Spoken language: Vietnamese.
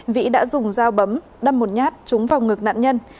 vĩ đã dùng dao bấm đâm một nhát trúng vào ngực nạn nhân